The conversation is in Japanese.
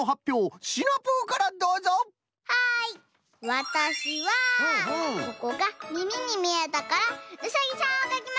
わたしはここがみみにみえたからうさぎさんをかきました。